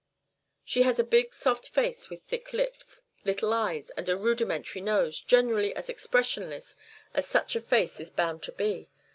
She has a big soft face with thick lips, little eyes, and a rudimentary nose; generally as expressionless as such a face is bound to be.